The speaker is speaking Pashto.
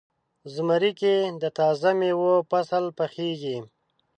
زمری کې د تازه میوو فصل پخیږي.